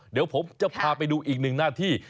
เดี๋ยวผมจะพาไปดูอีกหนึ่งหน้าที่